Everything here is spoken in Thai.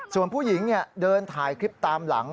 ส่วนผู้หญิงเดินถ่ายคลิปตามหลัง